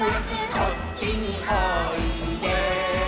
「こっちにおいで」